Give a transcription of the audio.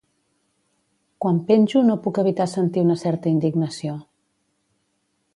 Quan penjo no puc evitar sentir una certa indignació.